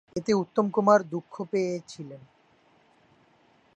এতে উত্তম কুমার দুঃখ পেয়ে ছিলেন।